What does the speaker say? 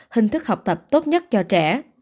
hình thức học tập tốt nhất cho trẻ